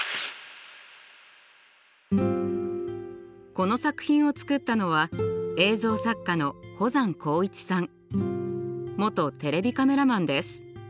この作品を作ったのは元テレビカメラマンです。